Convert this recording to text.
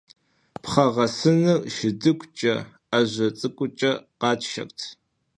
Пхъэгъэсыныр шыдыгукӀэ, Ӏэжьэ цӀыкӀукӀэ къатшэрт.